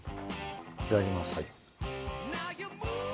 いただきます。